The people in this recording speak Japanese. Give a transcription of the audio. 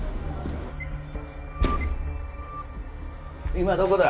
今どこだ？